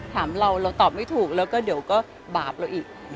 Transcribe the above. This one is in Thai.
ถามเราเราตอบไม่ถูกแล้วก็เดี๋ยวก็บาปเราอีก